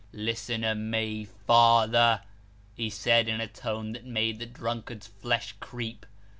" Listen to me, father," he said, in a tone that made the drunkard's flesh creep.